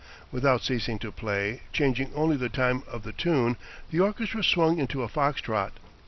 Without ceasing to play, changing only the time of the tune, the orchestra swung into a fox trot.